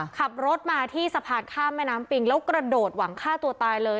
ขับรถมาที่สะพานข้ามแม่น้ำปิงแล้วกระโดดหวังฆ่าตัวตายเลย